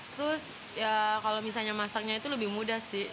terus ya kalau misalnya masaknya itu lebih mudah sih